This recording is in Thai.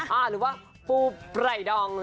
หรือว่าปูไข่ดอง